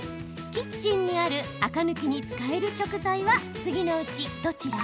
キッチンにあるアク抜きに使える食材は次のうちどちら？